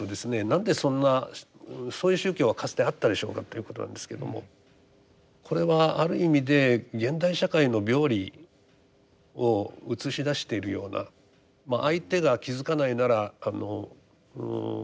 なんでそんなそういう宗教はかつてあったでしょうかということなんですけどもこれはある意味で現代社会の病理を映し出しているような相手が気付かないならあの